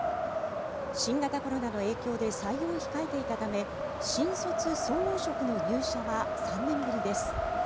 新型コロナの影響で採用を控えていたため新卒総合職の入社は３年ぶりです。